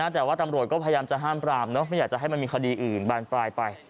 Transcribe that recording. แต่ว่าตำรวจก็พยายามจะห้ามปรามไม่อยากจะให้มันมีคดีอื่นบานปลายไป